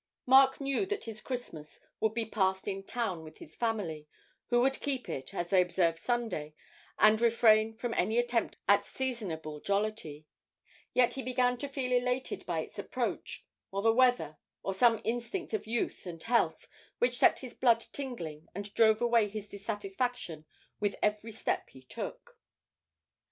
Mark knew that his Christmas would be passed in town with his family, who would keep it, as they observed Sunday, and refrain from any attempt at seasonable jollity; yet he began to feel elated by its approach, or the weather, or some instinct of youth and health which set his blood tingling and drove away his dissatisfaction with every step he took.